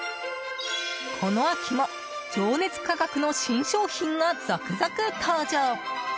この秋も情熱価格の新商品が続々登場。